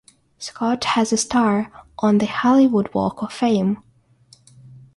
Scott has a star on the Hollywood Walk of Fame.